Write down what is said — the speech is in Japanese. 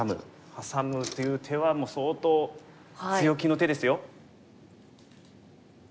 ハサむという手はもう相当強気の手ですよ。